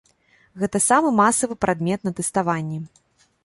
Гэта самы масавы прадмет на тэставанні.